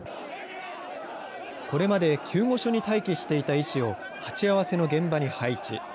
これまで救護所に待機していた医師を、鉢合わせの現場に配置。